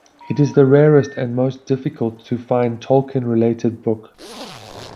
It is the rarest and most difficult to find Tolkien-related book.